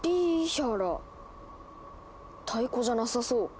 太鼓じゃなさそう。